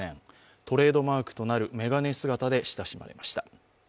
トレードマークとなる眼鏡姿で親しまれました。